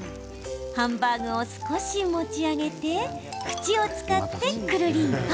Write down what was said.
ハンバーグを少し持ち上げて縁を使って、くるりんぱ。